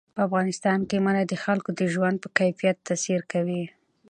په افغانستان کې منی د خلکو د ژوند په کیفیت تاثیر کوي.